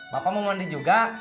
bapak mau mandi juga